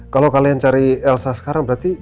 kalau kalian cari elsa sekarang berarti